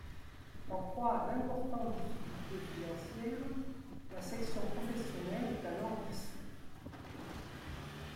En proie à d'importantes difficultés financières, la section professionnelle est alors dissoute.